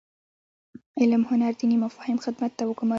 علم هنر دیني مفاهیم خدمت ته وګوماري.